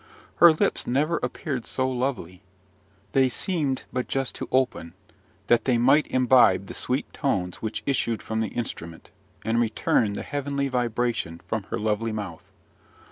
Her lips never appeared so lovely: they seemed but just to open, that they might imbibe the sweet tones which issued from the instrument, and return the heavenly vibration from her lovely mouth.